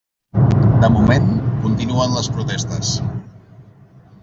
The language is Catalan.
De moment, continuen les protestes.